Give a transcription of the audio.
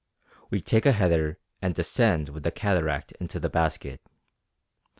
we take a header and descend with the cataract into the basket.